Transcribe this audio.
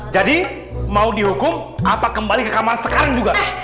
jadi mau dihukum atau kembali ke kamar sekarang juga